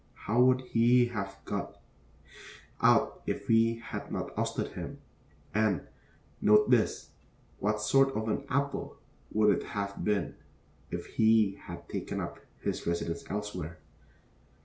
How would he have got out if we had not ousted him? And note this what sort of an apple would it have been if he had taken up his residence elsewhere?